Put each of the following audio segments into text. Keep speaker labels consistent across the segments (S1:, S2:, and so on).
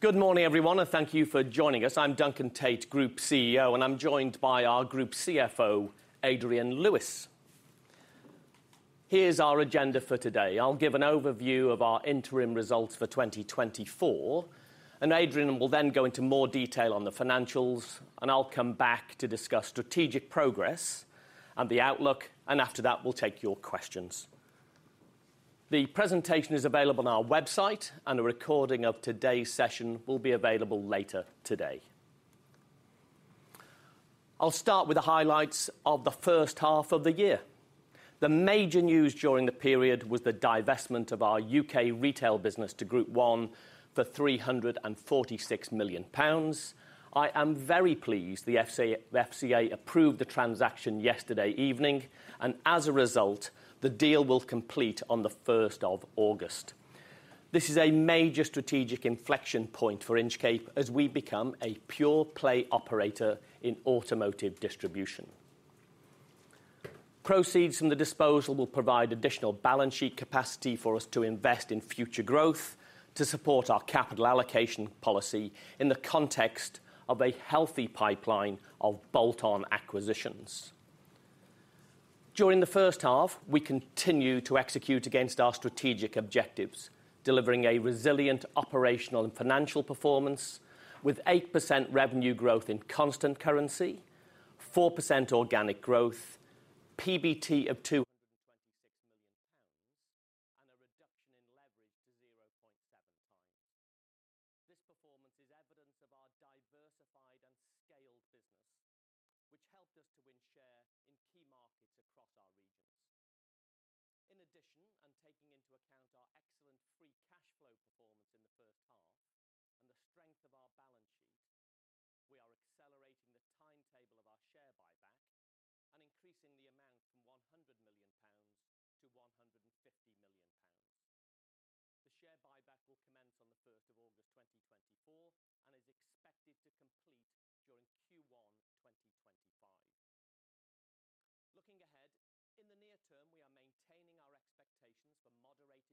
S1: Good morning, everyone, and thank you for joining us. I'm Duncan Tait, Group CEO, and I'm joined by our Group CFO, Adrian Lewis. Here's our agenda for today. I'll give an overview of our interim results for 2024, and Adrian will then go into more detail on the financials, and I'll come back to discuss strategic progress and the outlook. After that, we'll take your questions. The presentation is available on our website, and a recording of today's session will be available later today. I'll start with the highlights of the first half of the year. The major news during the period was the divestment of our U.K. retail business to Group 1 for 346 million pounds. I am very pleased the FCA approved the transaction yesterday evening, and as a result, the deal will complete on the 1st of August. This is a major strategic inflection point for Inchcape as we become a pure-play operator in automotive distribution. Proceeds from the disposal will provide additional balance sheet capacity for us to invest in future growth to support our capital allocation policy in the context of a healthy pipeline of bolt-on acquisitions. During the first half, we continue to execute against our strategic objectives, delivering a resilient operational and financial performance with 8% revenue growth in constant currency, 4% organic growth, PBT of £226 million, and a reduction in leverage to 0.7x. This performance is evidence of our diversified and scaled business, which helped us to win share in key markets across our regions. In addition, and taking into account our excellent free cash flow performance in the first half and the strength of our balance sheet, we are accelerating the timetable of our share buyback and increasing the amount from 100 million pounds to 150 million pounds. The share buyback will commence on the 1st of August 2024 and is expected to complete during Q1 2025. Looking ahead, in the near term, we are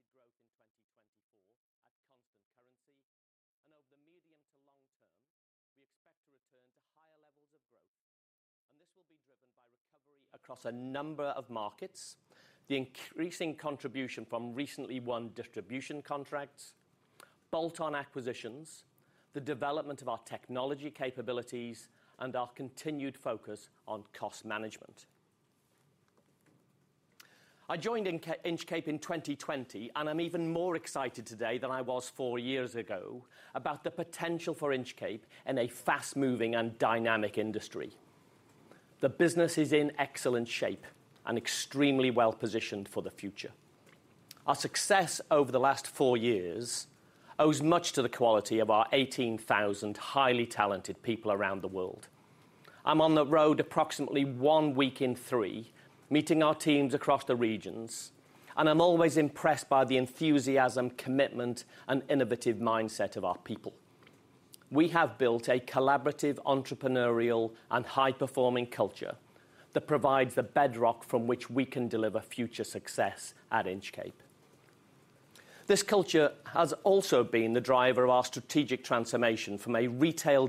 S1: maintaining our expectations for moderated growth in 2024 at constant currency, and over the medium to long term, we expect to return to higher levels of growth, and this will be driven by recovery across a number of markets, the increasing contribution from recently won distribution contracts, bolt-on acquisitions, the development of our technology capabilities, and our continued focus on cost management. I joined Inchcape in 2020, and I'm even more excited today than I was four years ago about the potential for Inchcape in a fast-moving and dynamic industry. The business is in excellent shape and extremely well-positioned for the future. Our success over the last four years owes much to the quality of our 18,000 highly talented people around the world. I'm on the road approximately one week in three, meeting our teams across the regions, and I'm always impressed by the enthusiasm, commitment, and innovative mindset of our people. We have built a collaborative, entrepreneurial, and high-performing culture that provides the bedrock from which we can deliver future success at Inchcape. This culture has also been the driver of our strategic transformation from a retail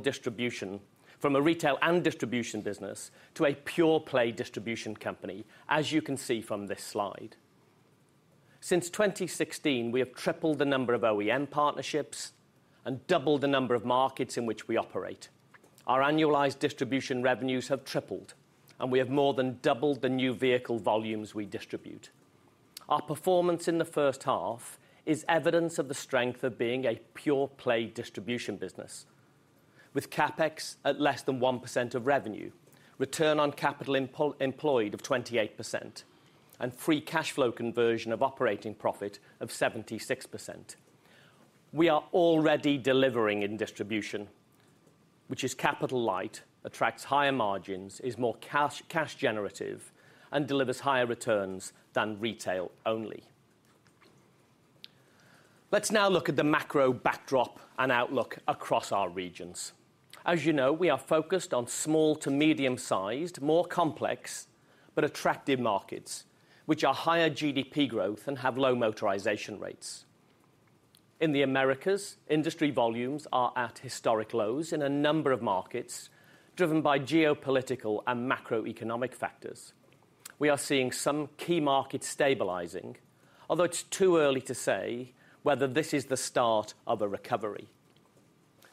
S1: and distribution business to a pure-play distribution company, as you can see from this slide. Since 2016, we have tripled the number of OEM partnerships and doubled the number of markets in which we operate. Our annualized distribution revenues have tripled, and we have more than doubled the new vehicle volumes we distribute. Our performance in the first half is evidence of the strength of being a pure-play distribution business, with CapEx at less than 1% of revenue, return on capital employed of 28%, and free cash flow conversion of operating profit of 76%. We are already delivering in distribution, which is capital-light, attracts higher margins, is more cash-generative, and delivers higher returns than retail only. Let's now look at the macro backdrop and outlook across our regions. As you know, we are focused on small to medium-sized, more complex but attractive markets, which are higher GDP growth and have low motorization rates. In the Americas, industry volumes are at historic lows in a number of markets, driven by geopolitical and macroeconomic factors. We are seeing some key markets stabilizing, although it's too early to say whether this is the start of a recovery.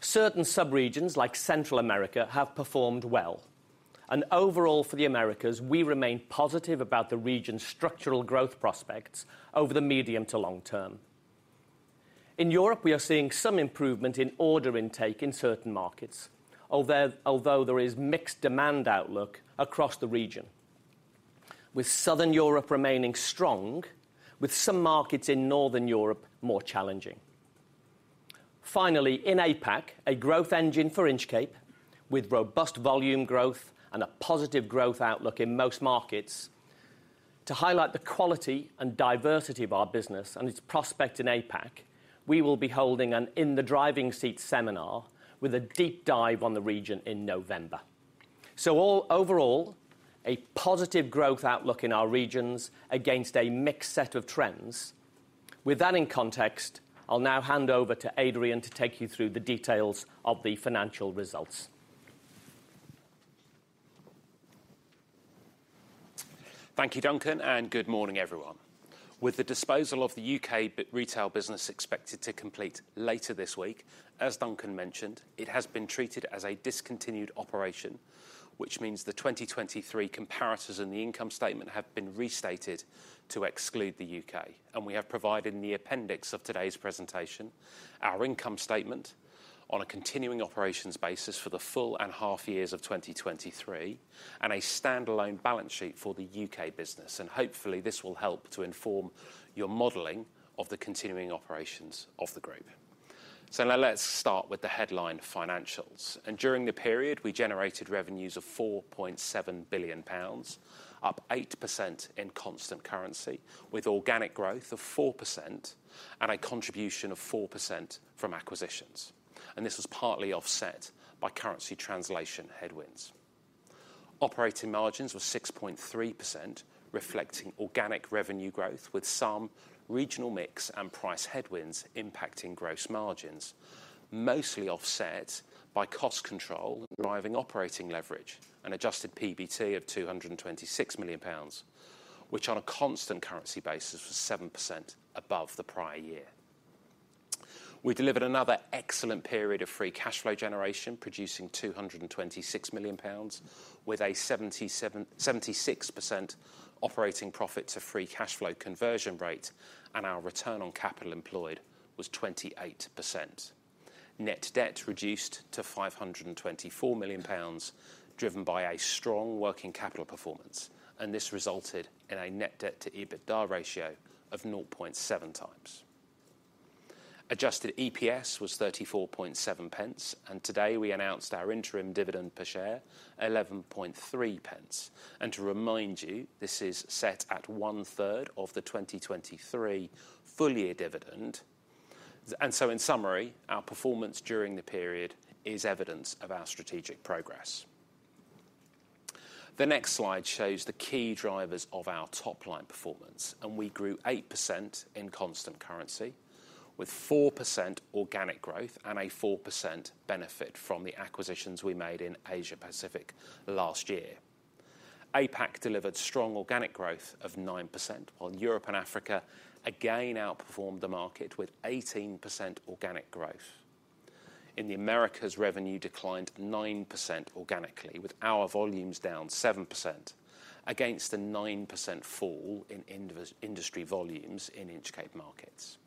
S1: Certain subregions, like Central America, have performed well, and overall for the Americas, we remain positive about the region's structural growth prospects over the medium to long term. In Europe, we are seeing some improvement in order intake in certain markets, although there is mixed demand outlook across the region, with Southern Europe remaining strong, with some markets in Northern Europe more challenging. Finally, in APAC, a growth engine for Inchcape, with robust volume growth and a positive growth outlook in most markets. To highlight the quality and diversity of our business and its prospects in APAC, we will be holding an In the Driving Seat seminar with a deep dive on the region in November. Overall, a positive growth outlook in our regions against a mixed set of trends. With that in context, I'll now hand over to Adrian to take you through the details of the financial results.
S2: Thank you, Duncan, and good morning, everyone. With the disposal of the UK retail business expected to complete later this week, as Duncan mentioned, it has been treated as a discontinued operation, which means the 2023 comparisons in the income statement have been restated to exclude the UK. We have provided in the appendix of today's presentation our income statement on a continuing operations basis for the full and half years of 2023 and a standalone balance sheet for the UK business. Hopefully, this will help to inform your modeling of the continuing operations of the group. So now let's start with the headline financials. During the period, we generated revenues of £4.7 billion, up 8% in constant currency, with organic growth of 4% and a contribution of 4% from acquisitions. This was partly offset by currency translation headwinds. Operating margins were 6.3%, reflecting organic revenue growth, with some regional mix and price headwinds impacting gross margins, mostly offset by cost control driving operating leverage and adjusted PBT of 226 million pounds, which on a constant currency basis was 7% above the prior year. We delivered another excellent period of free cash flow generation, producing 226 million pounds, with a 76% operating profit to free cash flow conversion rate, and our return on capital employed was 28%. Net debt reduced to 524 million pounds, driven by a strong working capital performance, and this resulted in a net debt to EBITDA ratio of 0.7 times. Adjusted EPS was 0.347, and today we announced our interim dividend per share, 0.113. To remind you, this is set at one-third of the 2023 full-year dividend. In summary, our performance during the period is evidence of our strategic progress. The next slide shows the key drivers of our top-line performance, and we grew 8% in constant currency, with 4% organic growth and a 4% benefit from the acquisitions we made in Asia-Pacific last year. APAC delivered strong organic growth of 9%, while Europe and Africa again outperformed the market with 18% organic growth. In the Americas, revenue declined 9% organically, with our volumes down 7% against a 9% fall in industry volumes in Inchcape markets.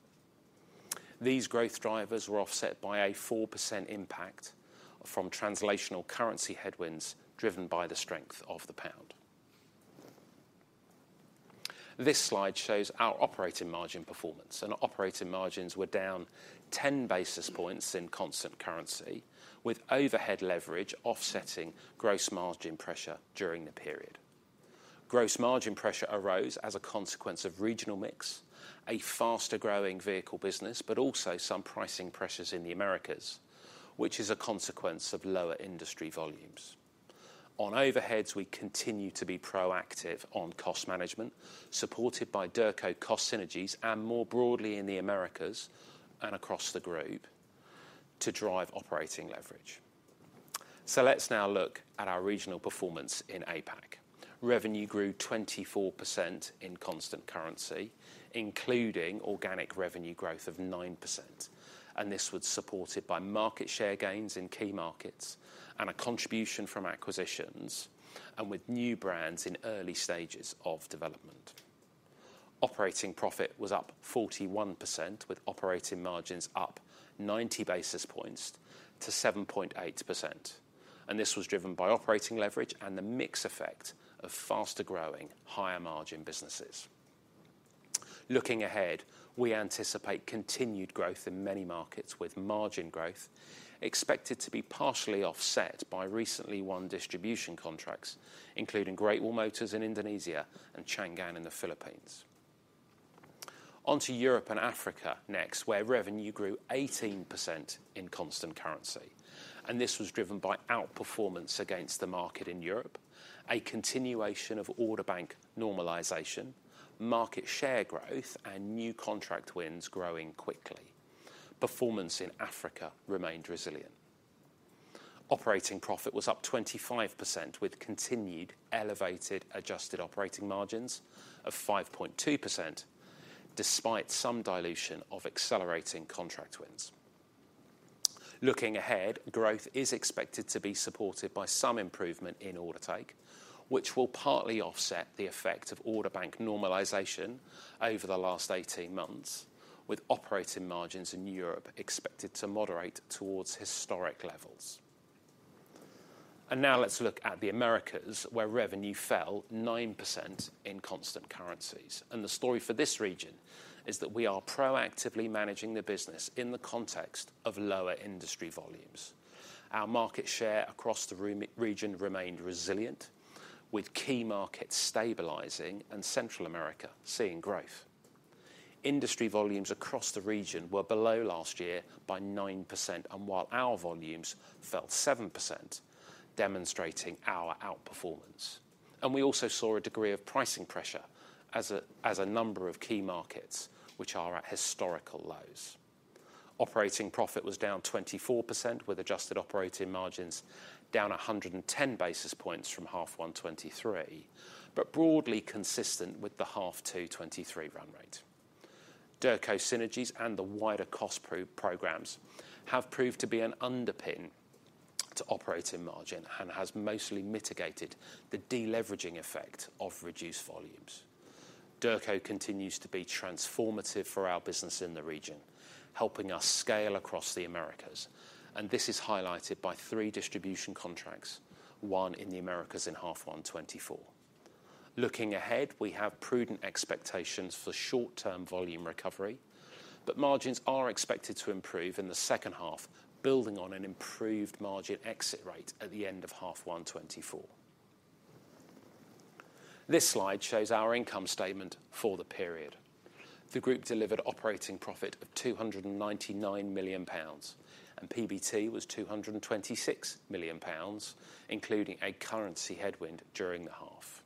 S2: These growth drivers were offset by a 4% impact from translational currency headwinds driven by the strength of the pound. This slide shows our operating margin performance, and operating margins were down 10 basis points in constant currency, with overhead leverage offsetting gross margin pressure during the period. Gross margin pressure arose as a consequence of regional mix, a faster-growing vehicle business, but also some pricing pressures in the Americas, which is a consequence of lower industry volumes. On overheads, we continue to be proactive on cost management, supported by Derco cost synergies and more broadly in the Americas and across the group to drive operating leverage. So let's now look at our regional performance in APAC. Revenue grew 24% in constant currency, including organic revenue growth of 9%, and this was supported by market share gains in key markets and a contribution from acquisitions, and with new brands in early stages of development. Operating profit was up 41%, with operating margins up 90 basis points to 7.8%. This was driven by operating leverage and the mix effect of faster-growing, higher-margin businesses. Looking ahead, we anticipate continued growth in many markets, with margin growth expected to be partially offset by recently won distribution contracts, including Great Wall Motors in Indonesia and Changan in the Philippines. Onto Europe and Africa next, where revenue grew 18% in constant currency, and this was driven by outperformance against the market in Europe, a continuation of order bank normalization, market share growth, and new contract wins growing quickly. Performance in Africa remained resilient. Operating profit was up 25%, with continued elevated adjusted operating margins of 5.2% despite some dilution of accelerating contract wins. Looking ahead, growth is expected to be supported by some improvement in order take, which will partly offset the effect of order bank normalization over the last 18 months, with operating margins in Europe expected to moderate towards historic levels. Now let's look at the Americas, where revenue fell 9% in constant currencies. The story for this region is that we are proactively managing the business in the context of lower industry volumes. Our market share across the region remained resilient, with key markets stabilizing and Central America seeing growth. Industry volumes across the region were below last year by 9%, and while our volumes fell 7%, demonstrating our outperformance. We also saw a degree of pricing pressure as a number of key markets, which are at historical lows. Operating profit was down 24%, with adjusted operating margins down 110 basis points from H1 2023, but broadly consistent with the H2 2023 run rate. Derco synergies and the wider cost programs have proved to be an underpin to operating margin and have mostly mitigated the deleveraging effect of reduced volumes. Derco continues to be transformative for our business in the region, helping us scale across the Americas, and this is highlighted by three distribution contracts, one in the Americas in half-one 2024. Looking ahead, we have prudent expectations for short-term volume recovery, but margins are expected to improve in the second half, building on an improved margin exit rate at the end of half-one 2024. This slide shows our income statement for the period. The group delivered operating profit of 299 million pounds, and PBT was 226 million pounds, including a currency headwind during the half.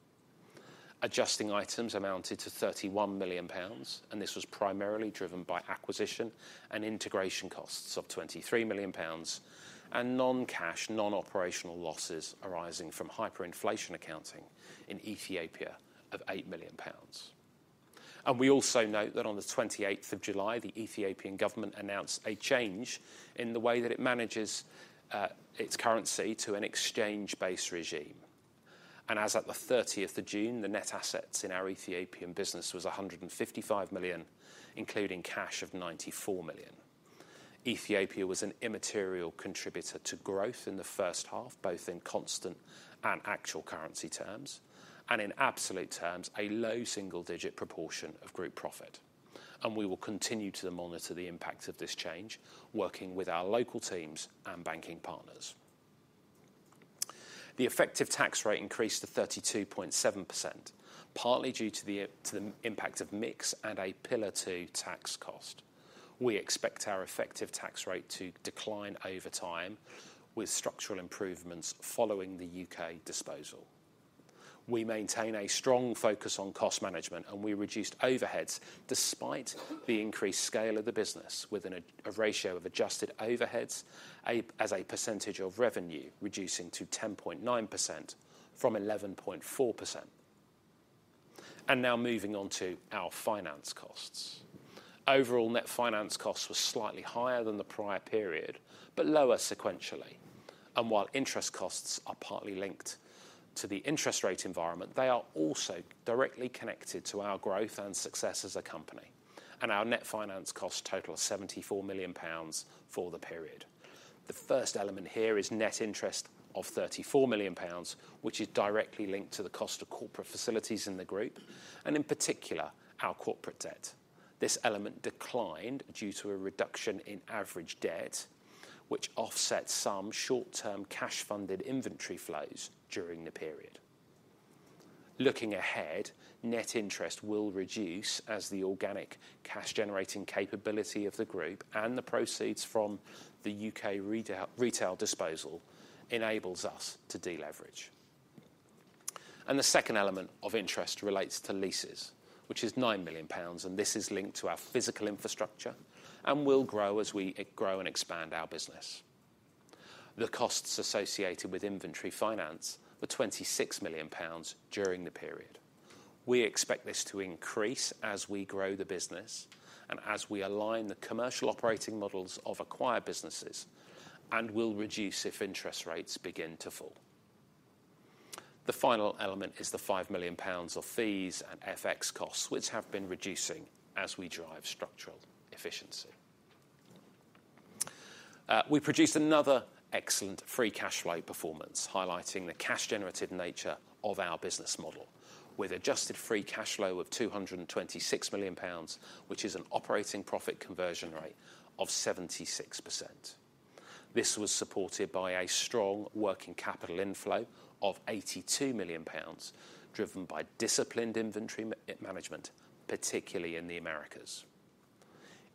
S2: Adjusting items amounted to 31 million pounds, and this was primarily driven by acquisition and integration costs of 23 million pounds, and non-cash, non-operational losses arising from hyperinflation accounting in Ethiopia of 8 million pounds. We also note that on the 28th of July, the Ethiopian government announced a change in the way that it manages its currency to an exchange-based regime. As of the 30th of June, the net assets in our Ethiopian business were 155 million, including cash of 94 million. Ethiopia was an immaterial contributor to growth in the first half, both in constant and actual currency terms, and in absolute terms, a low single-digit proportion of group profit. We will continue to monitor the impact of this change, working with our local teams and banking partners. The effective tax rate increased to 32.7%, partly due to the impact of mix and a Pillar Two tax cost. We expect our effective tax rate to decline over time with structural improvements following the U.K. disposal. We maintain a strong focus on cost management, and we reduced overheads despite the increased scale of the business, with a ratio of adjusted overheads as a percentage of revenue reducing to 10.9% from 11.4%. Now moving on to our finance costs. Overall, net finance costs were slightly higher than the prior period, but lower sequentially. While interest costs are partly linked to the interest rate environment, they are also directly connected to our growth and success as a company, and our net finance costs total 74 million pounds for the period. The first element here is net interest of 34 million pounds, which is directly linked to the cost of corporate facilities in the group, and in particular, our corporate debt. This element declined due to a reduction in average debt, which offsets some short-term cash-funded inventory flows during the period. Looking ahead, net interest will reduce as the organic cash-generating capability of the group and the proceeds from the UK retail disposal enables us to deleverage. The second element of interest relates to leases, which is 9 million pounds, and this is linked to our physical infrastructure and will grow as we grow and expand our business. The costs associated with inventory finance were 26 million pounds during the period. We expect this to increase as we grow the business and as we align the commercial operating models of acquired businesses, and will reduce if interest rates begin to fall. The final element is the 5 million pounds of fees and FX costs, which have been reducing as we drive structural efficiency. We produced another excellent free cash flow performance, highlighting the cash-generated nature of our business model, with adjusted free cash flow of 226 million pounds, which is an operating profit conversion rate of 76%. This was supported by a strong working capital inflow of 82 million pounds, driven by disciplined inventory management, particularly in the Americas.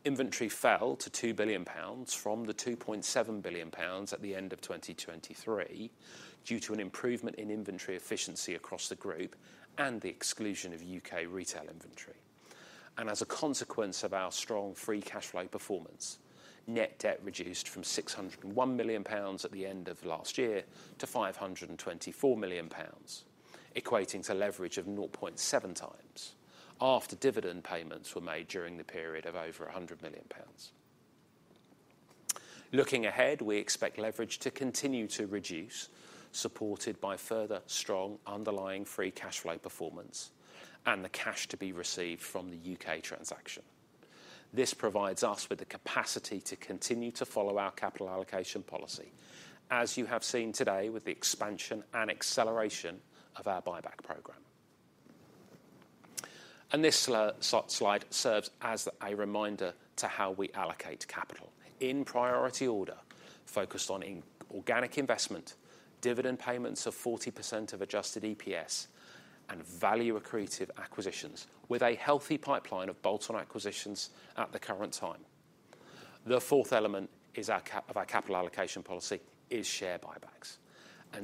S2: Inventory fell to 2 billion pounds from the 2.7 billion pounds at the end of 2023 due to an improvement in inventory efficiency across the group and the exclusion of UK retail inventory. As a consequence of our strong free cash flow performance, net debt reduced from 601 million pounds at the end of last year to 524 million pounds, equating to leverage of 0.7 times after dividend payments were made during the period of over 100 million pounds. Looking ahead, we expect leverage to continue to reduce, supported by further strong underlying free cash flow performance and the cash to be received from the UK transaction. This provides us with the capacity to continue to follow our capital allocation policy, as you have seen today with the expansion and acceleration of our buyback program. This slide serves as a reminder to how we allocate capital in priority order, focused on organic investment, dividend payments of 40% of Adjusted EPS, and value accretive acquisitions, with a healthy pipeline of bolt-on acquisitions at the current time. The fourth element of our capital allocation policy is share buybacks.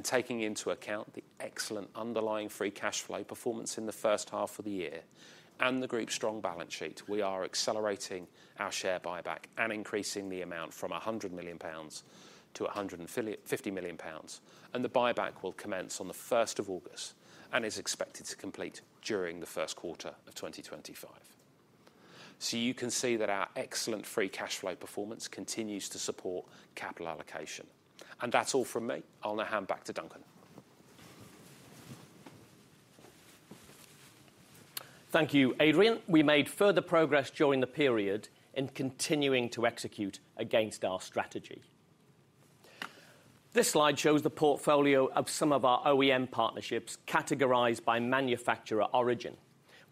S2: Taking into account the excellent underlying free cash flow performance in the first half of the year and the group's strong balance sheet, we are accelerating our share buyback and increasing the amount from £100 million to £150 million. The buyback will commence on the 1st of August and is expected to complete during the first quarter of 2025. You can see that our excellent free cash flow performance continues to support capital allocation. That's all from me. I'll now hand back to Duncan.
S1: Thank you, Adrian. We made further progress during the period in continuing to execute against our strategy. This slide shows the portfolio of some of our OEM partnerships categorized by manufacturer origin.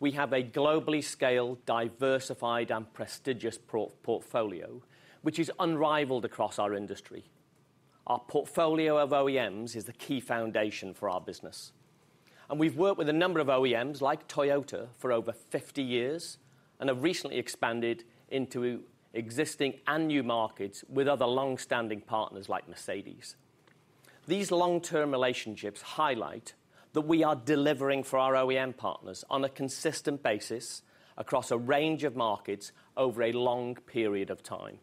S1: We have a globally scaled, diversified, and prestigious portfolio, which is unrivaled across our industry. Our portfolio of OEMs is the key foundation for our business. We've worked with a number of OEMs like Toyota for over 50 years and have recently expanded into existing and new markets with other long-standing partners like Mercedes. These long-term relationships highlight that we are delivering for our OEM partners on a consistent basis across a range of markets over a long period of time.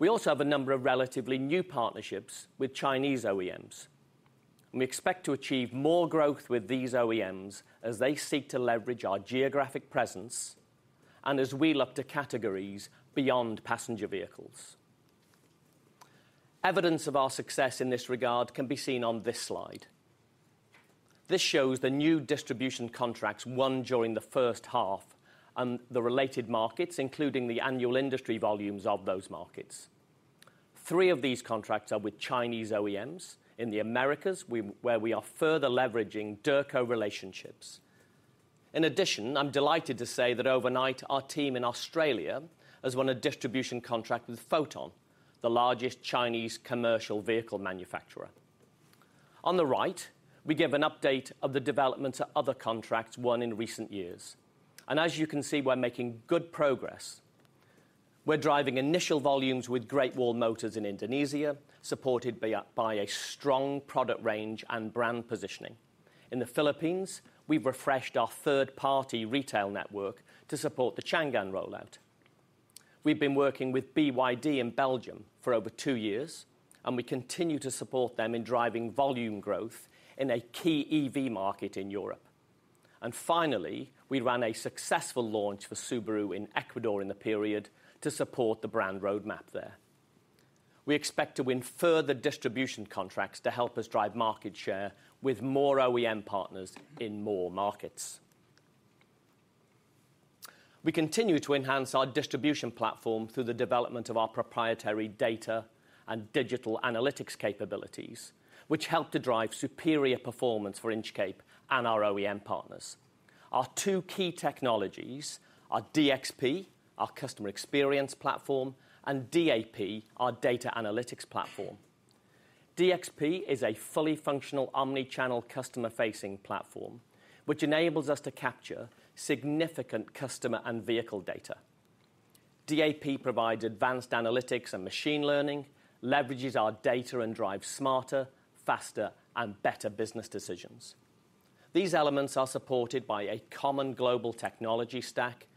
S1: We also have a number of relatively new partnerships with Chinese OEMs. We expect to achieve more growth with these OEMs as they seek to leverage our geographic presence and as we look to categories beyond passenger vehicles. Evidence of our success in this regard can be seen on this slide. This shows the new distribution contracts won during the first half and the related markets, including the annual industry volumes of those markets. Three of these contracts are with Chinese OEMs. In the Americas, where we are further leveraging Derco relationships. In addition, I'm delighted to say that overnight, our team in Australia has won a distribution contract with Foton, the largest Chinese commercial vehicle manufacturer. On the right, we give an update of the developments of other contracts won in recent years. As you can see, we're making good progress. We're driving initial volumes with Great Wall Motors in Indonesia, supported by a strong product range and brand positioning. In the Philippines, we've refreshed our third-party retail network to support the Changan rollout. We've been working with BYD in Belgium for over two years, and we continue to support them in driving volume growth in a key EV market in Europe. Finally, we ran a successful launch for Subaru in Ecuador in the period to support the brand roadmap there. We expect to win further distribution contracts to help us drive market share with more OEM partners in more markets. We continue to enhance our distribution platform through the development of our proprietary data and digital analytics capabilities, which help to drive superior performance for Inchcape and our OEM partners. Our two key technologies are DXP, our customer experience platform, and DAP, our data analytics platform. DXP is a fully functional omnichannel customer-facing platform, which enables us to capture significant customer and vehicle data. DAP provides advanced analytics and machine learning, leverages our data, and drives smarter, faster, and better business decisions. These elements are supported by a common global technology stack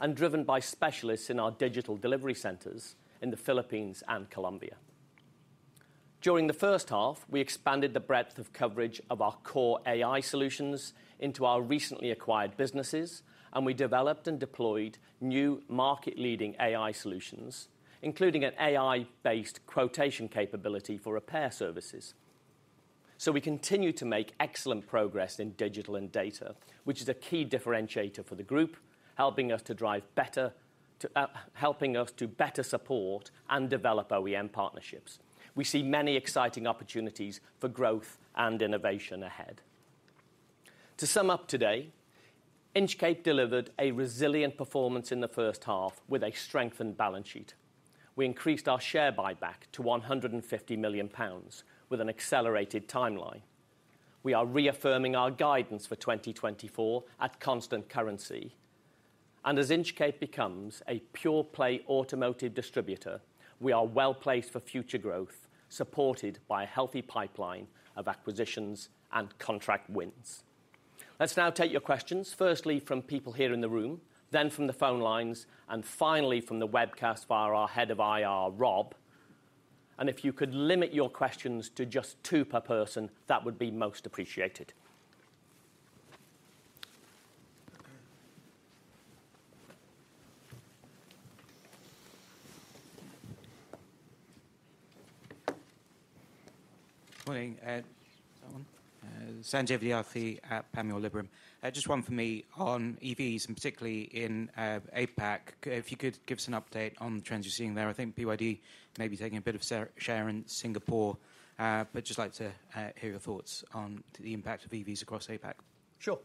S1: and driven by specialists in our digital delivery centers in the Philippines and Colombia. During the first half, we expanded the breadth of coverage of our core AI solutions into our recently acquired businesses, and we developed and deployed new market-leading AI solutions, including an AI-based quotation capability for repair services. We continue to make excellent progress in digital and data, which is a key differentiator for the group, helping us to better support and develop OEM partnerships. We see many exciting opportunities for growth and innovation ahead. To sum up today, Inchcape delivered a resilient performance in the first half with a strengthened balance sheet. We increased our share buyback to £150 million with an accelerated timeline. We are reaffirming our guidance for 2024 at constant currency. As Inchcape becomes a pure-play automotive distributor, we are well-placed for future growth, supported by a healthy pipeline of acquisitions and contract wins. Let's now take your questions, firstly from people here in the room, then from the phone lines, and finally from the webcast via our head of IR, Rob. If you could limit your questions to just two per person, that would be most appreciated.
S3: Morning. Sanjay Vidyarthi at Panmure Liberum. Just one for me on EVs, and particularly in APAC. If you could give us an update on the trends you're seeing there. I think BYD may be taking a bit of share in Singapore, but I'd just like to hear your thoughts on the impact of EVs across APAC.
S1: Sure.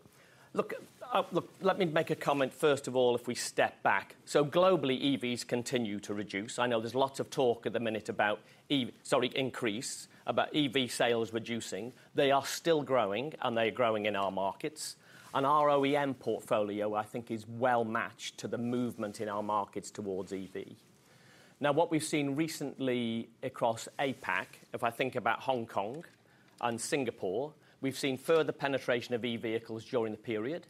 S1: Let me make a comment. First of all, if we step back, globally, EVs continue to reduce. I know there's lots of talk at the minute about increase, about EV sales reducing. They are still growing, and they're growing in our markets. Our OEM portfolio, I think, is well-matched to the movement in our markets towards EV. Now, what we've seen recently across APAC, if I think about Hong Kong and Singapore, we've seen further penetration of EV vehicles during the period,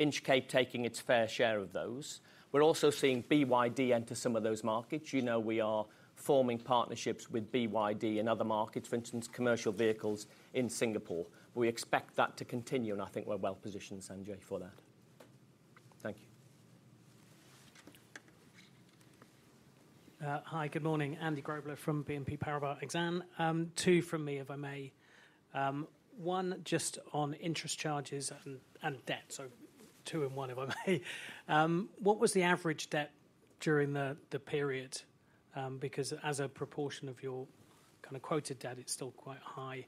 S1: Inchcape taking its fair share of those. We're also seeing BYD enter some of those markets. We are forming partnerships with BYD in other markets, for instance, commercial vehicles in Singapore. We expect that to continue, and I think we're well-positioned, Sanjay, for that.
S3: Thank you.
S4: Hi, good morning. Andy Grobler from BNP Paribas Exane. Two from me, if I may. One, just on interest charges and debt. Two in one, if I may. What was the average debt during the period? Because as a proportion of your quoted debt, it's still quite high.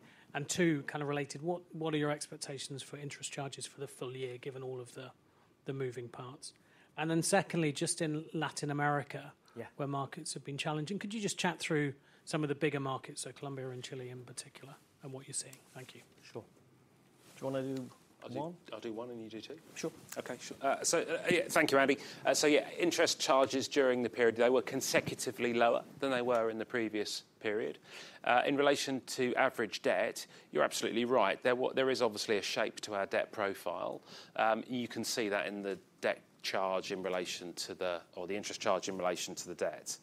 S4: Two, related, what are your expectations for interest charges for the full year, given all of the moving parts? Secondly, just in Latin America, where markets have been challenging, could you just chat through some of the bigger markets, Colombia and Chile in particular, and what you're seeing? Thank you.
S1: Sure. Do you want to do one? I'll do one, and you do two.
S2: Sure. Thank you, Andy. Interest charges during the period, they were consecutively lower than they were in the previous period. In relation to average debt, you're absolutely right. There is obviously a shape to our debt profile. You can see that in the debt charge in relation to the, or the interest charge in relation to the debt.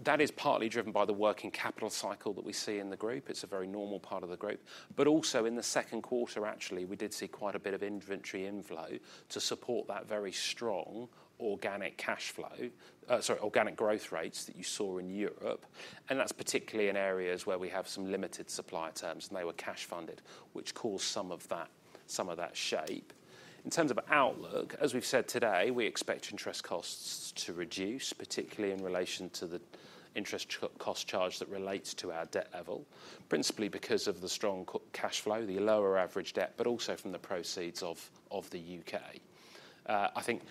S2: That is partly driven by the working capital cycle that we see in the group. It's a very normal part of the group. Also, in the second quarter, actually, we did see quite a bit of inventory inflow to support that very strong organic growth rates that you saw in Europe. That's particularly in areas where we have some limited supply terms, and they were cash funded, which caused some of that shape. In terms of outlook, as we've said today, we expect interest costs to reduce, particularly in relation to the interest cost charge that relates to our debt level, principally because of the strong cash flow, the lower average debt, but also from the proceeds of the U.K. I think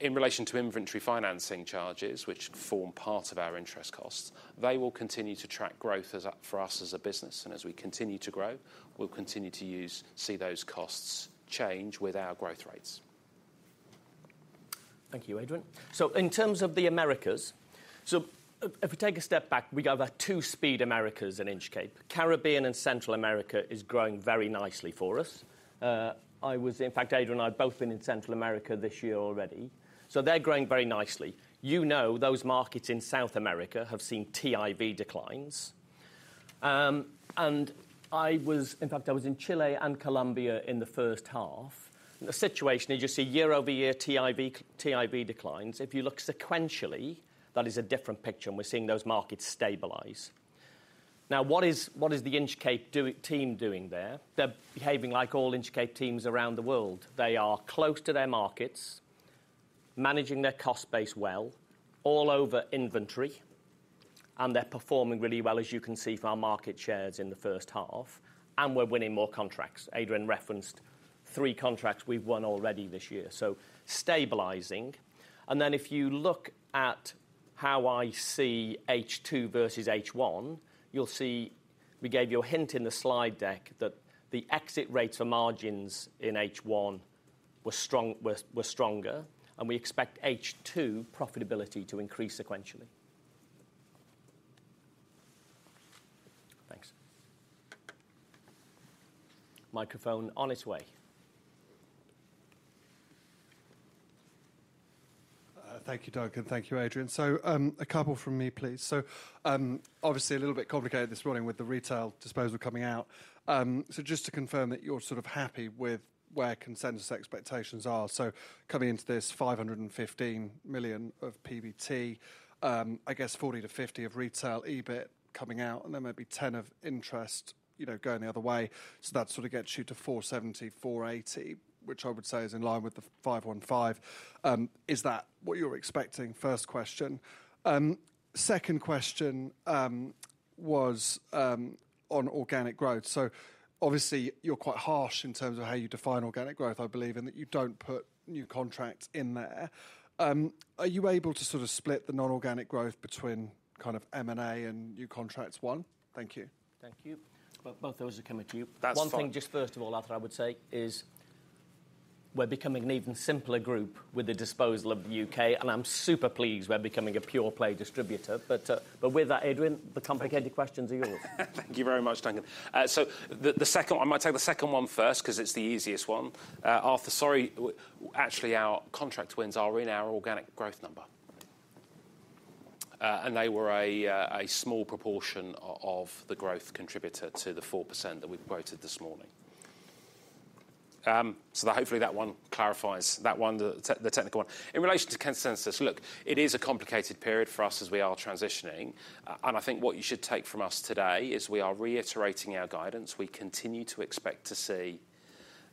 S2: in relation to inventory financing charges, which form part of our interest costs, they will continue to track growth for us as a business. As we continue to grow, we'll continue to see those costs change with our growth rates.
S1: Thank you, Adrian. In terms of the Americas, if we take a step back, we have two-speed Americas in Inchcape. Caribbean and Central America is growing very nicely for us. In fact, Adrian and I have both been in Central America this year already. They're growing very nicely. You know those markets in South America have seen TIV declines. In fact, I was in Chile and Colombia in the first half. The situation, you just see year-over-year TIV declines. If you look sequentially, that is a different picture, and we're seeing those markets stabilize. Now, what is the Inchcape team doing there? They're behaving like all Inchcape teams around the world. They are close to their markets, managing their cost base well, all over inventory, and they're performing really well, as you can see from our market shares in the first half. We're winning more contracts. Adrian referenced three contracts we've won already this year. Stabilizing. Then, if you look at how I see H2 versus H1, you'll see we gave you a hint in the slide deck that the exit rates or margins in H1 were stronger, and we expect H2 profitability to increase sequentially.
S4: Thanks.
S1: Microphone on its way.
S5: Thank you, Duncan. Thank you, Adrian. A couple from me, please. Obviously, a little bit complicated this morning with the retail disposal coming out. Just to confirm that you're sort of happy with where consensus expectations are. Coming into this, 515 million of PBT, I guess 40 million-50 million of retail EBIT coming out, and then maybe 10 million of interest going the other way. That sort of gets you to 470 million, 480 million, which I would say is in line with the 515 million. Is that what you're expecting? First question. Second question was on organic growth. Obviously, you're quite harsh in terms of how you define organic growth, I believe, and that you don't put new contracts in there. Are you able to split the non-organic growth between M&A and new contracts one? Thank you.
S1: Thank you. Both of those are coming to you.
S2: That's fine.
S1: One thing, just first of all, Arthur, I would say is we're becoming an even simpler group with the disposal of the U.K. I'm super pleased we're becoming a pure-play distributor. But with that, Adrian, the complicated questions are yours.
S2: Thank you very much, Duncan. I might take the second one first because it's the easiest one. Arthur, sorry, actually our contract wins are in our organic growth number. They were a small proportion of the growth contributor to the 4% that we quoted this morning. Hopefully, that one clarifies the technical one. In relation to consensus, look, it is a complicated period for us as we are transitioning. I think what you should take from us today is we are reiterating our guidance. We continue to expect to see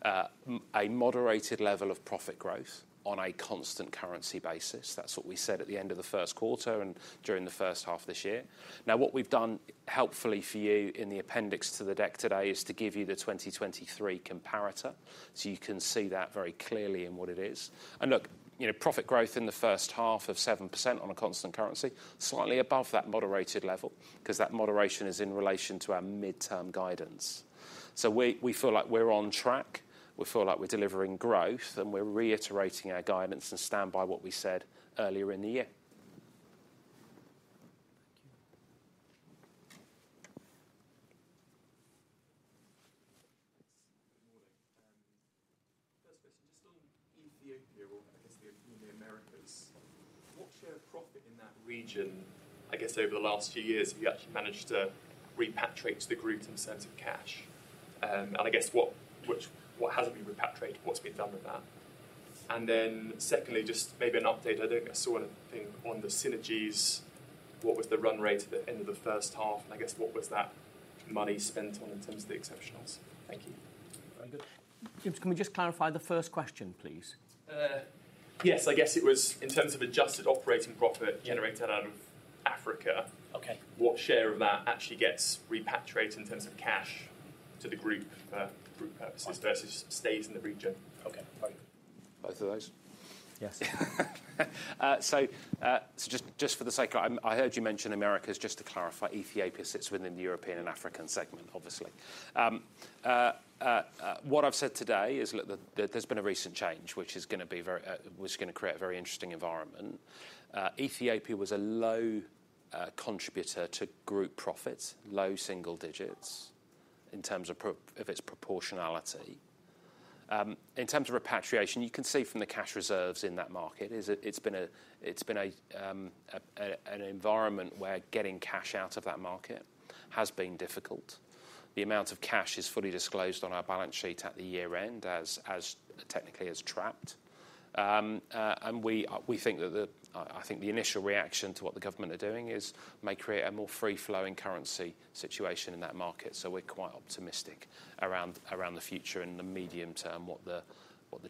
S2: a moderated level of profit growth on a constant currency basis. That's what we said at the end of the first quarter and during the first half of this year. Now, what we've done, hopefully for you in the appendix to the deck today, is to give you the 2023 comparator so you can see that very clearly in what it is. Look, profit growth in the first half of 7% on a constant currency, slightly above that moderated level because that moderation is in relation to our midterm guidance. We feel like we're on track. We feel like we're delivering growth, and we're reiterating our guidance and stand by what we said earlier in the year.
S5: Thank you.
S6: Good morning. First question, just on Ethiopia or the Americas, what share of profit in that region, I guess over the last few years, have you actually managed to repatriate to the group in terms of cash? What hasn't been repatriated? What's been done with that? Then secondly, just maybe an update. I saw a thing on the synergies. What was the run rate at the end of the first half? What was that money spent on in terms of the exceptionals? Thank you.
S1: Can we just clarify the first question, please?
S6: Yes. I guess it was in terms of adjusted operating profit generated out of Africa, what share of that actually gets repatriated in terms of cash to the group purposes versus stays in the region?
S2: Both of those?
S6: Yes.
S2: Just for the sake of it, I heard you mention Americas. Just to clarify, Ethiopia sits within the European and African segment, obviously. What I've said today is there's been a recent change, which is going to create a very interesting environment. Ethiopia was a low contributor to group profits, low single digits in terms of its proportionality. In terms of repatriation, you can see from the cash reserves in that market; it's been an environment where getting cash out of that market has been difficult. The amount of cash is fully disclosed on our balance sheet at the year-end, technically as trapped. I think the initial reaction to what the government are doing is may create a more free-flowing currency situation in that market. We're quite optimistic around the future and the medium term, what the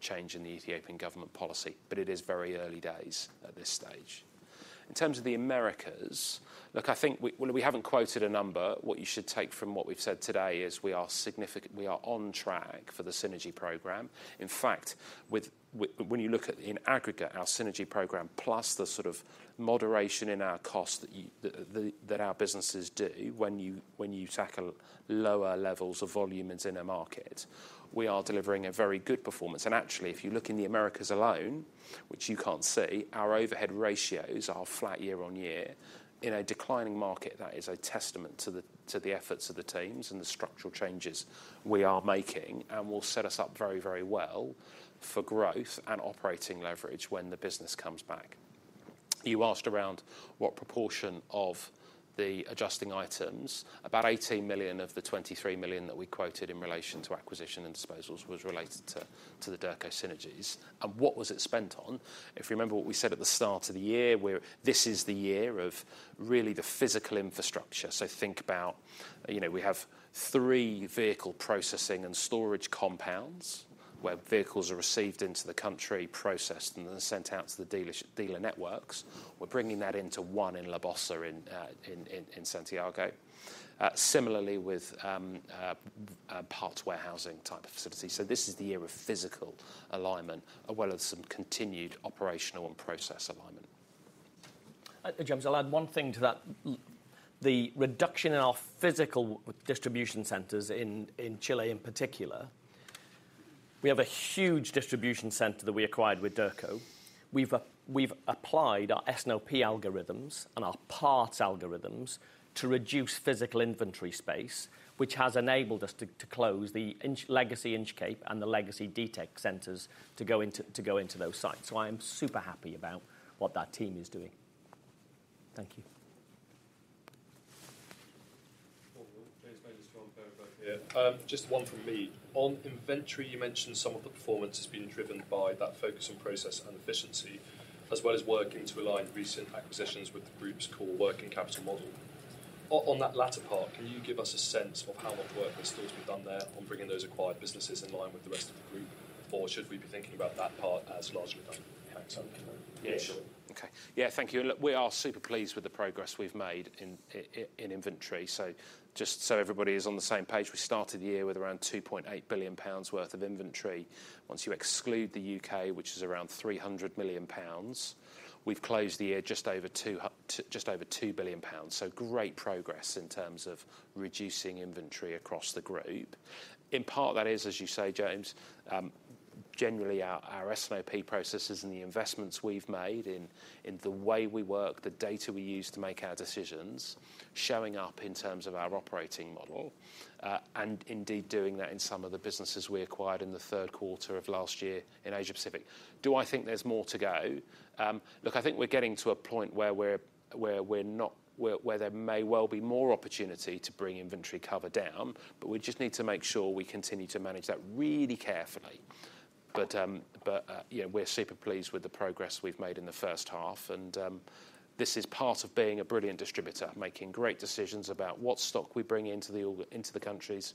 S2: change in the Ethiopian government policy. But it is very early days at this stage. In terms of the Americas, look, I think we haven't quoted a number. What you should take from what we've said today is we are on track for the synergy program. In fact, when you look at in aggregate, our synergy program, plus the moderation in our costs that our businesses do when you tackle lower levels of volumes in a market, we are delivering a very good performance. Actually, if you look in the Americas alone, which you can't see, our overhead ratios are flat year-on-year in a declining market. That is a testament to the efforts of the teams and the structural changes we are making. It will set us up very well for growth and operating leverage when the business comes back. You asked around what proportion of the adjusting items. About 18 million of the 23 million that we quoted in relation to acquisition and disposals was related to the Derco synergies. What was it spent on? If you remember what we said at the start of the year, this is the year of really the physical infrastructure. Think about we have three vehicle processing and storage compounds where vehicles are received into the country, processed, and then sent out to the dealer networks. We're bringing that into one in Lo Boza in Santiago. Similarly, with parts warehousing type of facilities. This is the year of physical alignment, as well as some continued operational and process alignment.
S1: Adrian, I'll add one thing to that. The reduction in our physical distribution centers in Chile, in particular, we have a huge distribution center that we acquired with Derco. We've applied our S&OP algorithms and our parts algorithms to reduce physical inventory space, which has enabled us to close the legacy Inchcape and the legacy Derco centers to go into those sites. I am super happy about what that team is doing.
S6: Thank you.
S7: James Bayliss from Berenberg here, just one very quick here. Just one from me. On inventory, you mentioned some of the performance has been driven by that focus on process and efficiency, as well as working to align recent acquisitions with the group's core working capital model. On that latter part, can you give us a sense of how much work has still to be done there on bringing those acquired businesses in line with the rest of the group? Or should we be thinking about that part as largely done? Thanks.
S2: Yeah, sure. Yeah, thank you. We are super pleased with the progress we've made in inventory. Just so everybody is on the same page, we started the year with around 2.8 billion pounds worth of inventory. Once you exclude the UK, which is around 300 million pounds, we've closed the year just over 2 billion pounds. Great progress in terms of reducing inventory across the group. In part, that is, as you say, James, generally our S&OP processes and the investments we've made in the way we work, the data we use to make our decisions, showing up in terms of our operating model, and indeed doing that in some of the businesses we acquired in the third quarter of last year in Asia Pacific. Do I think there's more to go? Look, I think we're getting to a point where there may well be more opportunity to bring inventory cover down, but we just need to make sure we continue to manage that really carefully. But we're super pleased with the progress we've made in the first half. This is part of being a brilliant distributor, making great decisions about what stock we bring into the countries,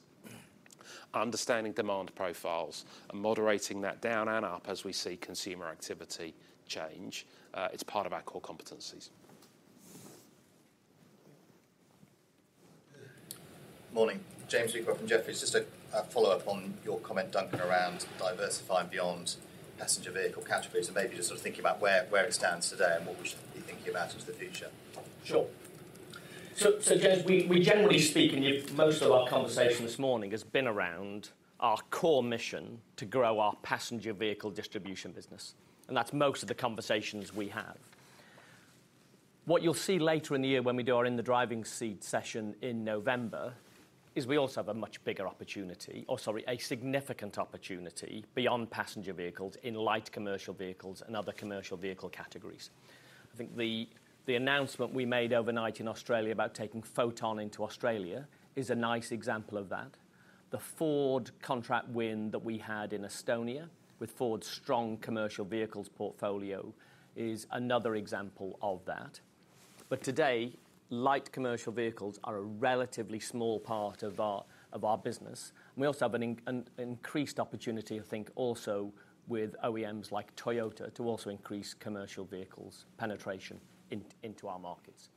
S2: understanding demand profiles, and moderating that down and up as we see consumer activity change. It's part of our core competencies.
S8: Morning. James Wheatcroft from Jefferies. Just a follow-up on your comment, Duncan, around diversifying beyond passenger vehicle categories. Maybe just thinking about where it stands today and what we should be thinking about into the future.
S1: Sure. James, we generally speak, and most of our conversation this morning has been around our core mission to grow our passenger vehicle distribution business. That's most of the conversations we have. What you'll see later in the year when we do our in the Driving Seat session in November is we also have a much bigger opportunity, or sorry, a significant opportunity beyond passenger vehicles in light commercial vehicles and other commercial vehicle categories. I think the announcement we made overnight in Australia about taking Foton into Australia is a nice example of that. The Ford contract win that we had in Estonia with Ford's strong commercial vehicles portfolio is another example of that. But today, light commercial vehicles are a relatively small part of our business. We also have an increased opportunity, I think, also with OEMs like Toyota to also increase commercial vehicles' penetration into our markets.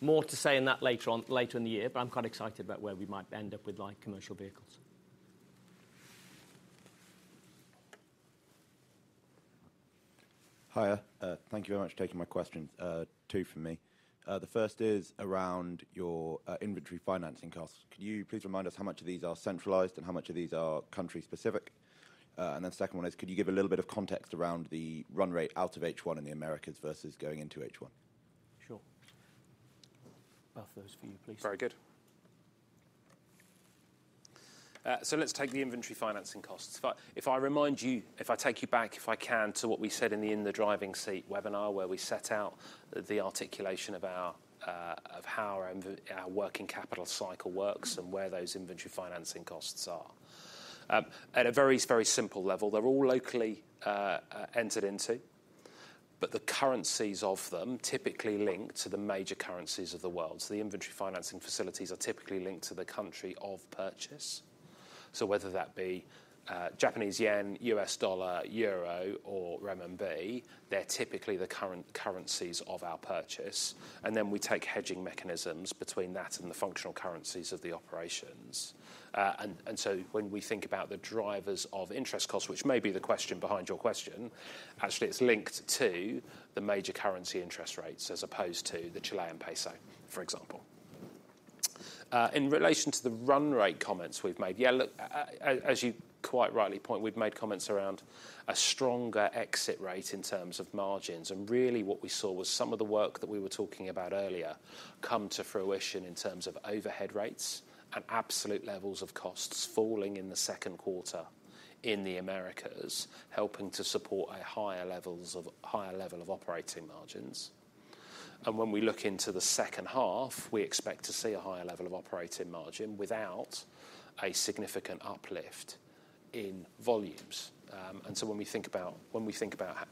S1: More to say on that later in the year, but I'm quite excited about where we might end up with light commercial vehicles.
S9: Hiya. Thank you very much for taking my questions. Two from me. The first is around your inventory financing costs. Could you please remind us how much of these are centralized and how much of these are country-specific? Then the second one is, could you give a little bit of context around the run rate out of H1 in the Americas versus going into H1?
S1: Sure. Both of those for you, please.
S2: Very good. Let's take the inventory financing costs. If I remind you, if I take you back, if I can, to what we said in the in the Driving Seat webinar where we set out the articulation of how our working capital cycle works and where those inventory financing costs are. At a very, very simple level, they're all locally entered into, but the currencies of them typically link to the major currencies of the world. The inventory financing facilities are typically linked to the country of purchase. Whether that be Japanese yen, U.S. dollar, euro, or renminbi, they're typically the current currencies of our purchase. Then we take hedging mechanisms between that and the functional currencies of the operations. When we think about the drivers of interest costs, which may be the question behind your question, actually it's linked to the major currency interest rates as opposed to the Chilean peso, for example. In relation to the run rate comments we've made, as you quite rightly point, we've made comments around a stronger exit rate in terms of margins. What we saw was some of the work that we were talking about earlier come to fruition in terms of overhead rates and absolute levels of costs falling in the second quarter in the Americas, helping to support a higher level of operating margins. When we look into the second half, we expect to see a higher level of operating margin without a significant uplift in volumes. When we think about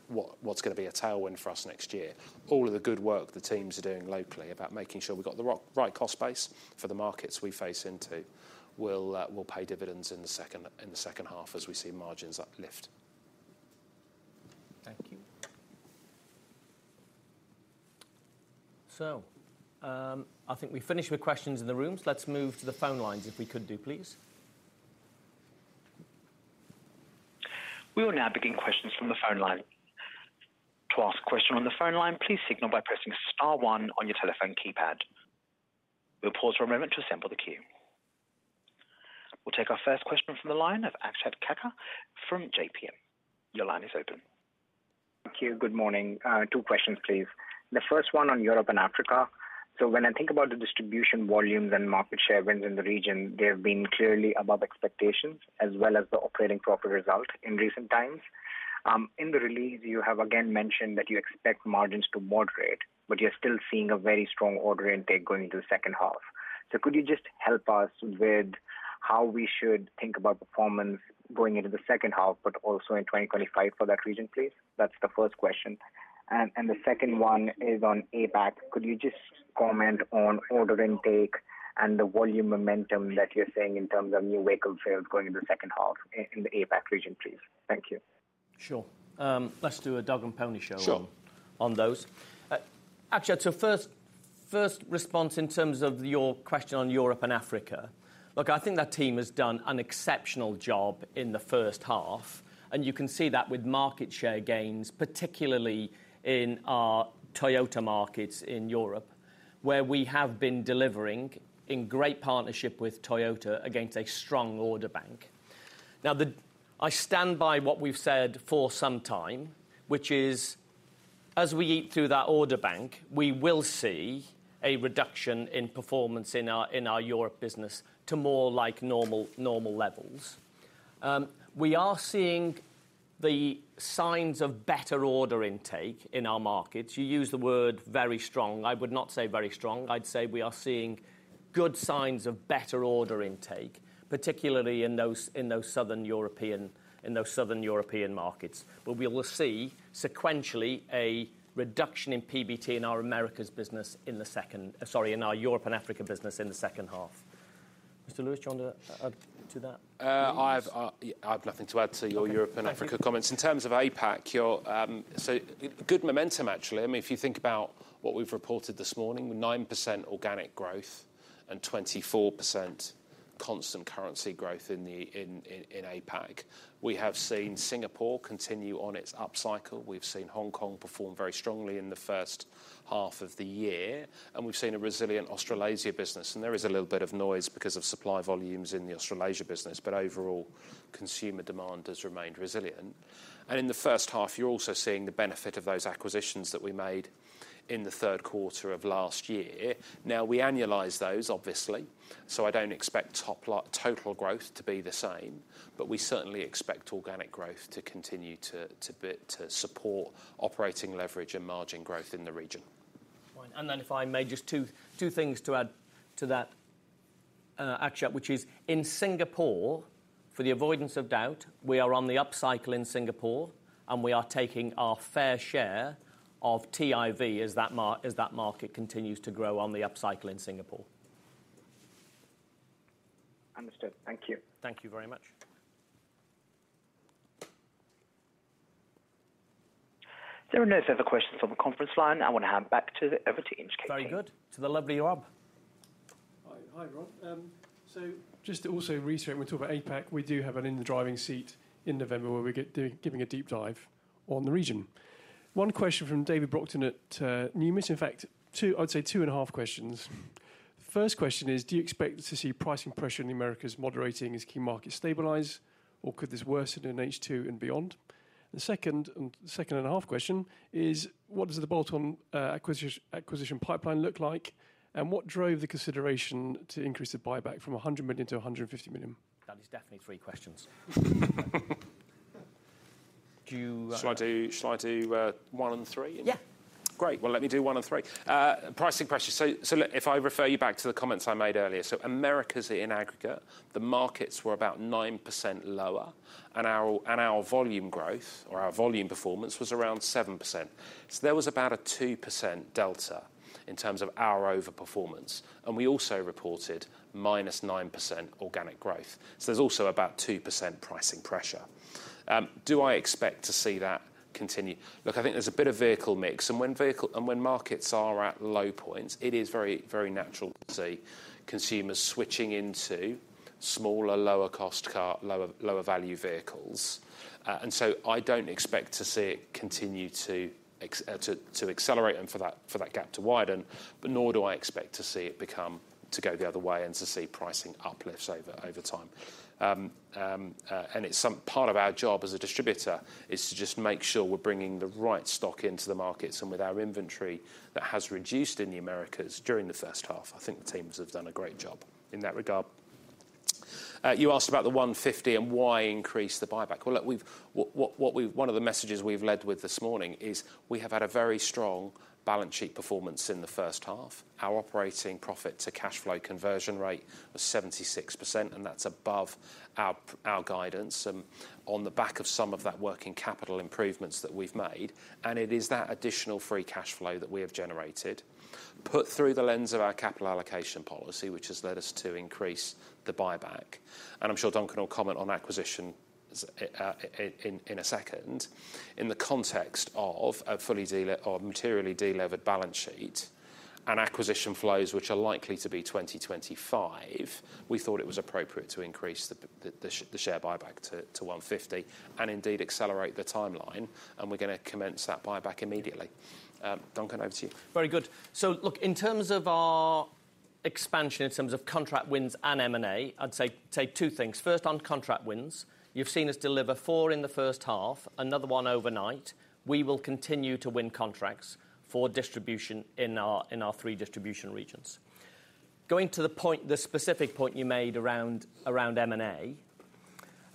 S2: what's going to be a tailwind for us next year, all of the good work the teams are doing locally about making sure we've got the right cost base for the markets we face into will pay dividends in the second half as we see margins lift.
S9: Thank you.
S1: I think we've finished with questions in the rooms. Let's move to the phone lines, if we could, please.
S10: We will now begin questions from the phone line. To ask a question on the phone line, please signal by pressing star one on your telephone keypad. We'll pause for a moment to assemble the queue. We'll take our first question from the line of Akshat Kacker from JPM. Your line is open. Thank you. Good morning. Two questions, please. The first one on Europe and Africa.
S11: When I think about the distribution volumes and market share wins in the region, they have been clearly above expectations, as well as the operating profit result in recent times. In the release, you have again mentioned that you expect margins to moderate, but you're still seeing a very strong order intake going into the second half. Could you just help us with how we should think about performance going into the second half, but also in 2025 for that region, please? That's the first question. The second one is on APAC. Could you just comment on order intake and the volume momentum that you're seeing in terms of new vehicle sales going into the second half in the APAC region, please? Thank you.
S1: Sure. Let's do a dog and pony show on those. Actually, first response in terms of your question on Europe and Africa. Look, I think that team has done an exceptional job in the first half. You can see that with market share gains, particularly in our Toyota markets in Europe, where we have been delivering in great partnership with Toyota against a strong order bank. I stand by what we've said for some time, which is as we eat through that order bank, we will see a reduction in performance in our Europe business to more like normal levels. We are seeing the signs of better order intake in our markets. You use the word very strong. I would not say very strong. I'd say we are seeing good signs of better order intake, particularly in those southern European markets. But we will see sequentially a reduction in PBT in our Americas business in the second, sorry, in our Europe and Africa business in the second half. Mr. Lewis, do you want to add to that?
S2: I have nothing to add to your Europe and Africa comments. In terms of APAC, good momentum, actually. If you think about what we've reported this morning, 9% organic growth and 24% constant currency growth in APAC. We have seen Singapore continue on its up cycle. We've seen Hong Kong perform very strongly in the first half of the year. We've seen a resilient Australasia business. There is a little bit of noise because of supply volumes in the Australasia business, but overall, consumer demand has remained resilient. In the first half, you're also seeing the benefit of those acquisitions that we made in the third quarter of last year. Now, we annualize those, obviously, so I don't expect total growth to be the same, but we certainly expect organic growth to continue to support operating leverage and margin growth in the region. Then if I may, just two things to add to that, Akshat, which is in Singapore, for the avoidance of doubt, we are on the up cycle in Singapore, and we are taking our fair share of TIV as that market continues to grow on the up cycle in Singapore.
S11: Understood. Thank you.
S1: Thank you very much. There are no further questions on the conference line. I want to hand back to the ever-capable. Very good. To the lovely Rob.
S12: Hi, Rob. Just to also reiterate, when we talk about APAC, we do have an in the Driving Seat in November where we're giving a deep dive on the region. One question from David Brockton at Numis. In fact, I'd say two and a half questions. First question is, do you expect to see pricing pressure in the Americas moderating as key markets stabilize, or could this worsen in H2 and beyond? The second and a half question is, what does the bolt-on acquisition pipeline look like, and what drove the consideration to increase the buyback from 100 million to 150 million?
S1: That is definitely three questions.
S2: Shall I do one and three?
S1: Yeah. Great.
S2: Well, let me do one and three. Pricing questions. If I refer you back to the comments I made earlier, Americas in aggregate, the markets were about 9% lower, and our volume growth, or our volume performance, was around 7%. There was about a 2% delta in terms of our overperformance, and we also reported minus 9% organic growth. There's also about 2% pricing pressure. Do I expect to see that continue? Look, I think there's a bit of vehicle mix. When markets are at low points, it is very natural to see consumers switching into smaller, lower-cost, lower-value vehicles. I don't expect to see it continue to accelerate and for that gap to widen, but nor do I expect to see it go the other way and to see pricing uplifts over time. It's part of our job as a distributor is to just make sure we're bringing the right stock into the markets and with our inventory that has reduced in the Americas during the first half. I think the teams have done a great job in that regard. You asked about the 150 and why increase the buyback. One of the messages we've led with this morning is we have had a very strong balance sheet performance in the first half. Our operating profit to cash flow conversion rate was 76%, and that's above our guidance on the back of some of that working capital improvements that we've made. It is that additional free cash flow that we have generated put through the lens of our capital allocation policy, which has led us to increase the buyback. I'm sure Duncan will comment on acquisition in a second. In the context of a fully materially delevered balance sheet and acquisition flows, which are likely to be 2025, we thought it was appropriate to increase the share buyback to 150 and indeed accelerate the timeline. We're going to commence that buyback immediately. Duncan, over to you.
S1: Very good. Look, in terms of our expansion, in terms of contract wins and M&A, I'd say two things. First, on contract wins, you've seen us deliver 4 in the first half, another one overnight.
S2: We will continue to win contracts for distribution in our three distribution regions. Going to the specific point you made around M&A,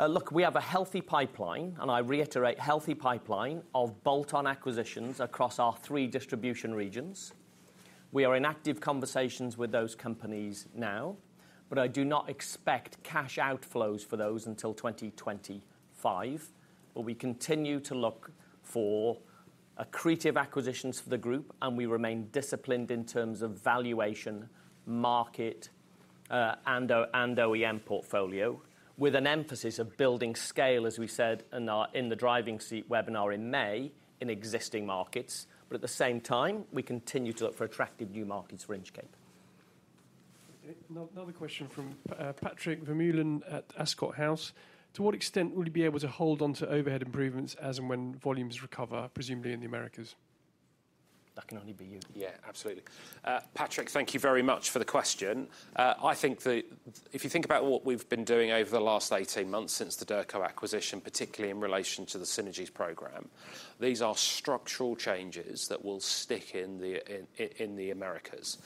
S2: look, we have a healthy pipeline, and I reiterate, healthy pipeline of bolt-on acquisitions across our three distribution regions. We are in active conversations with those companies now, but I do not expect cash outflows for those until 2025. We continue to look for accretive acquisitions for the group, and we remain disciplined in terms of valuation, market, and OEM portfolio, with an emphasis of building scale, as we said in the Driving Seat webinar in May, in existing markets. At the same time, we continue to look for attractive new markets for Inchcape.
S12: Another question from Patrick Vermeulen at Ascot House. To what extent will you be able to hold onto overhead improvements as and when volumes recover, presumably in the Americas?
S1: That can only be you.
S2: Yeah, absolutely. Patrick, thank you very much for the question. I think if you think about what we've been doing over the last 18 months since the Derco acquisition, particularly in relation to the synergies program, these are structural changes that will stick in the Americas.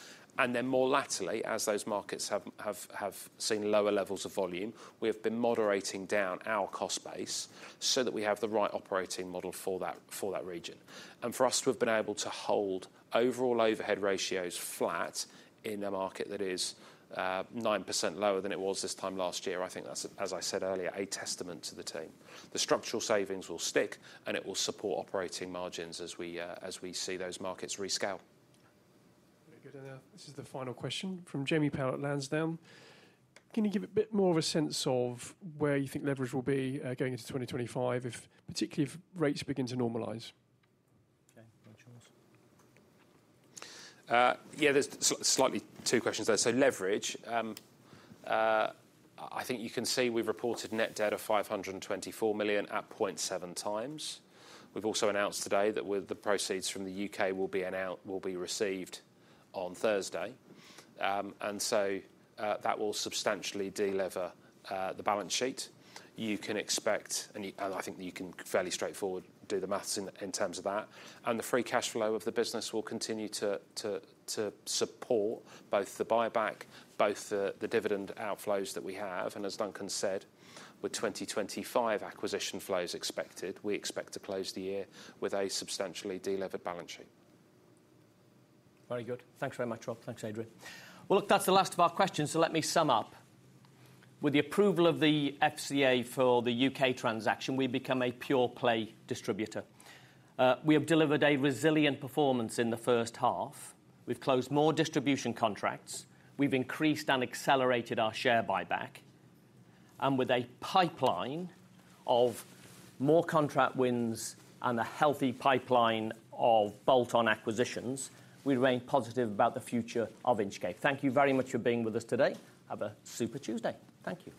S2: Then more laterly, as those markets have seen lower levels of volume, we have been moderating down our cost base so that we have the right operating model for that region. For us to have been able to hold overall overhead ratios flat in a market that is 9% lower than it was this time last year, I think that's, as I said earlier, a testament to the team. The structural savings will stick, and it will support operating margins as we see those markets rescale.
S12: Very good. This is the final question from Jamie Powell at Lansdowne. Can you give a bit more of a sense of where you think leverage will be going into 2025, particularly if rates begin to normalize?
S2: Yeah, there's slightly two questions there. Leverage, I think you can see we've reported net debt of 524 million at 0.7 times. We've also announced today that the proceeds from the UK will be received on Thursday. That will substantially delever the balance sheet. You can expect, and I think you can fairly straightforwardly do the math in terms of that. The free cash flow of the business will continue to support both the buyback, both the dividend outflows that we have. As Duncan said, with 2025 acquisition flows expected, we expect to close the year with a substantially delevered balance sheet.
S1: Very good. Thanks very much, Rob. Thanks, Adrian. Well, look, that's the last of our questions. Let me sum up. With the approval of the FCA for the UK transaction, we become a pure-play distributor. We have delivered a resilient performance in the first half. We've closed more distribution contracts. We've increased and accelerated our share buyback. With a pipeline of more contract wins and a healthy pipeline of bolt-on acquisitions, we remain positive about the future of Inchcape. Thank you very much for being with us today. Have a super Tuesday. Thank you.